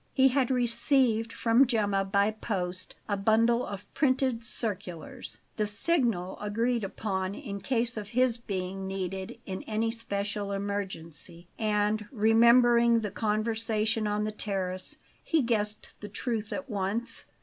He had received from Gemma by post a bundle of printed circulars, the signal agreed upon in case of his being needed in any special emergency; and, remembering the conversation on the terrace, he guessed the truth at once.